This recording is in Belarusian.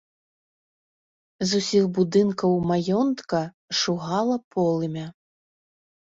З усіх будынкаў маёнтка шугала полымя.